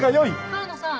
河野さん。